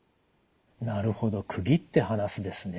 なるほど区切って話すですね。